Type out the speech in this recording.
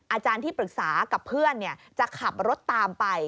อาจารย์ที่ปรึกษากับเพื่อนจะขับรถตามไป